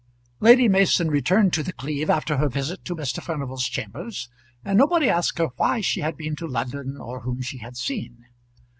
Lady Mason returned to The Cleeve after her visit to Mr. Furnival's chambers, and nobody asked her why she had been to London or whom she had seen.